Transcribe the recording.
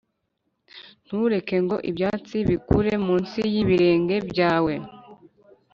ntureke ngo ibyatsi bikure munsi y'ibirenge byawe